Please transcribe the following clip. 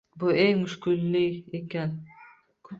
Bu eng mushkuli ekan.